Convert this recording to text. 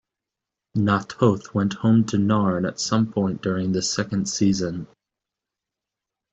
Na'Toth went home to Narn at some point during the second season.